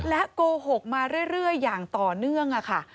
โกหกมาเรื่อยอย่างต่อเนื่องค่ะ